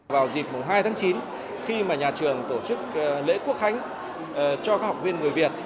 vào dịp hai tháng chín khi mà nhà trường tổ chức lễ quốc khánh cho các học viên người việt